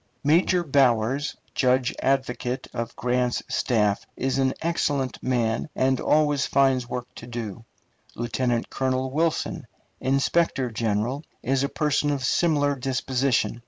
Major Bowers, judge advocate of Grant's staff, is an excellent man, and always finds work to do. Lieutenant Colonel Wilson, inspector general, is a person of similar disposition.